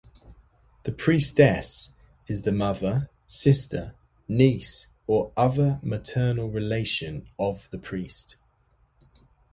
The priestess is the mother, sister, niece, or other maternal relation of the priest.